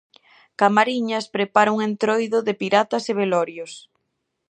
Camariñas prepara un Entroido de piratas e velorios.